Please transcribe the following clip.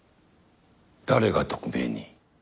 誰が特命に？